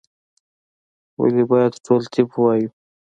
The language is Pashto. ولي باید ټول طب ووایو؟